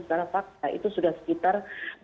secara fakta itu sudah sekitar